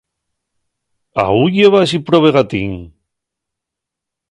¿Aú lleva a esi probe gatín?